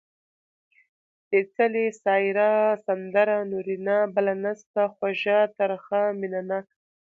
سپېڅلې ، سايره ، سندره، نورينه . بله نسته، خوږَه، ترخه . مينه ناکه